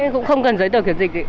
cũng không cần giấy tờ kiểm dịch